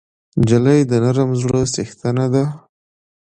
نجلۍ د نرم زړه څښتنه ده.